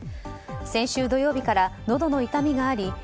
先週土曜日からのどの痛みがあり